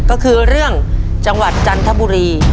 ก็คือเรื่องจังหวัดจันทบุรี